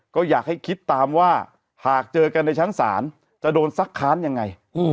ก็อยากให้คิดตามว่าหากเจอกันในชั้นศาลจะโดนซักค้านยังไง